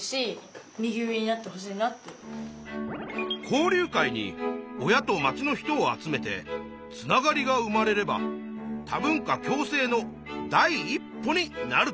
交流会に親と町の人を集めてつながりが生まれれば多文化共生の第一歩になると考えたのか。